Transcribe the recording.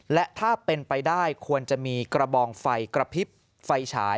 และถ้าเป็นไปได้ควรจะมีกระบองไฟกระพริบไฟฉาย